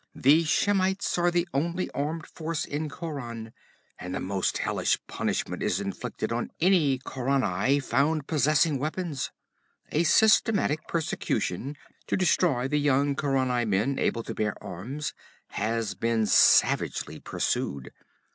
The Shemites are the only armed force in Khauran, and the most hellish punishment is inflicted on any Khaurani found possessing weapons. A systematic persecution to destroy the young Khaurani men able to bear arms has been savagely pursued.